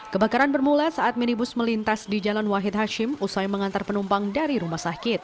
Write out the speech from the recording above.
kebakaran bermula saat minibus melintas di jalan wahid hashim usai mengantar penumpang dari rumah sakit